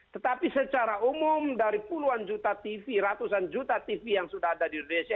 tetapi secara umum dari puluhan juta tv ratusan juta tv yang sudah ada di indonesia